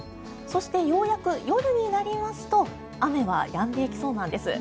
そして、ようやく夜になりますと雨はやんでいきそうなんです。